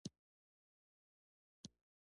ځوان لارښوونه غواړي